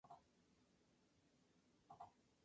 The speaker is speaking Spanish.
Cuanto más dispersa sea la luz, más suave será tu efecto.